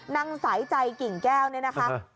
นางสายใจกิ่งแก้วเนี่ยนะคะ